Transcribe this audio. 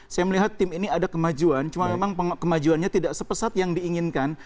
saya melihat tim ini ada kemajuan cuma memang kemajuannya tidak sepesat yang diinginkan